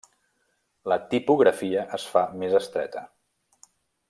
La tipografia es fa més estreta.